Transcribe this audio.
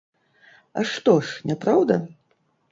А што ж, няпраўда?